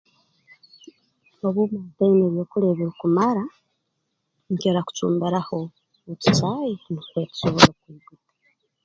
Obu mba ntaine byokulya ebirukumara nkira kucumbiraho otucaayi nukwo tusobole kwiguta